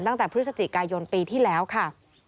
ตั้งแต่พฤศจิกายนปีที่แล้วค่ะ